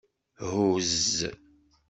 Huzz.